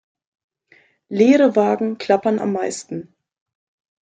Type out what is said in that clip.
Leere Wagen klappern am meisten.